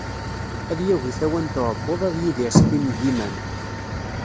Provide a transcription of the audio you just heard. Ad yagi tawant n uɛebbuḍ ad yidir s tin n yiman.